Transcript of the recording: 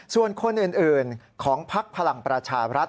ส่วนคนอื่นของพักพลังประชารัฐ